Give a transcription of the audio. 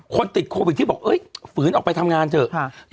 ติดโควิดที่บอกฝืนออกไปทำงานเถอะ